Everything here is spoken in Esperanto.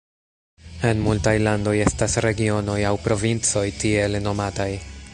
En multaj landoj estas regionoj aŭ provincoj tiele nomataj.